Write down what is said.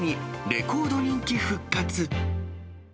レコード人気復活。